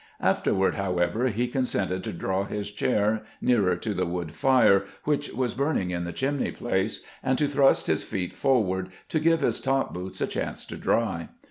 Afterward, however, he consented to draw his chair nearer to the wood fire which was burning in the chimney place, and to thrust his feet forward to give his top boots a chance to dry.